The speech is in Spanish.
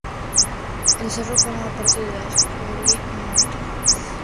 El cerro forma parte de las "Cooley Mountains".